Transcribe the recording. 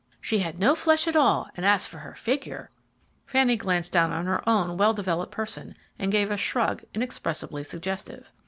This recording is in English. She had no flesh at all, and as for her figure " Fanny glanced down on her own well developed person, and gave a shrug inexpressibly suggestive.